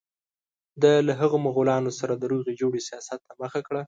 ده له مغولانو سره د روغې جوړې سیاست ته مخه کړه.